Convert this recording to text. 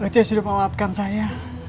cik sudah menguatkan saya